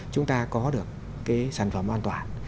chúng ta có được cái sản phẩm an toàn